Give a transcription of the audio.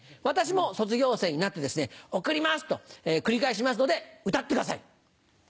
私も卒業生になって「贈ります！」と繰り返しますので歌ってください！